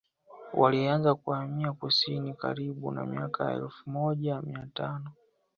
Walianza kuhamia kusini karibu na miaka ya elfu moja mia tano